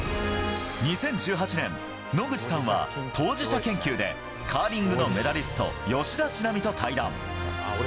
２０１８年、野口さんは、当事者研究で、カーリングのメダリスト、吉田知那美と対談。